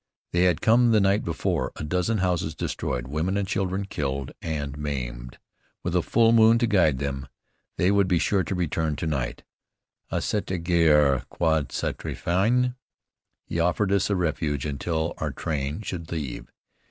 They had come the night before: a dozen houses destroyed, women and children killed and maimed. With a full moon to guide them, they would be sure to return to night. "Ah, cette guerre! Quand sera t elle finie?" He offered us a refuge until our train should leave.